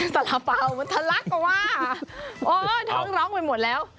สละเปล่ามันทะลักอ่ะว่าโอ้ยท้องร้องไปหมดแล้ว